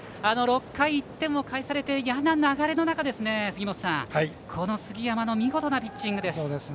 ６回、１点を返されて嫌な流れの中杉本さん、この杉山の見事なピッチングです。